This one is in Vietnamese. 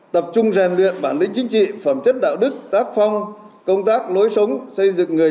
đáp ứng yêu cầu nhiệm vụ trong tình hình mới